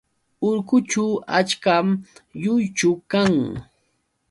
Urqućhu achkam lluychu kan.